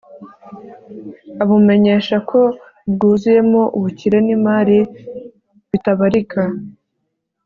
amumenyesha ko bwuzuyemo ubukire n'imari bitabarika